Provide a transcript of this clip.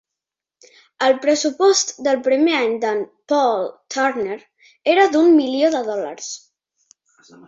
El pressupost del primer any de"n Paul Turner era d"un milió de dòlars.